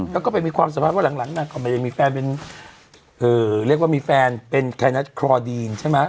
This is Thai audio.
แล้วก็มีความสามารถว่าหลังก่อนไปยังมีแฟนเป็นเรียกว่ามีแฟนเป็นคายนัดคลอดีนใช่มั้ย